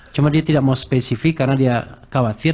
cuma dia tidak mau spesifik karena dia khawatir